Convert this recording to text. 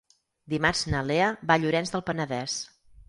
Dimarts na Lea va a Llorenç del Penedès.